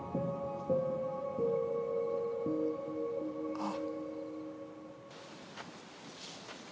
あっ。